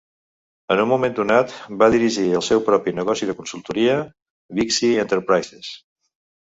En un moment donat, va dirigir el seu propi negoci de consultoria, Vixie Enterprises.